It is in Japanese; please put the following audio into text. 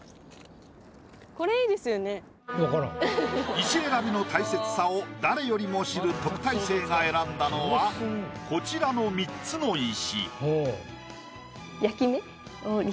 石選びの大切さを誰よりも知る特待生が選んだのはこちらの３つの石。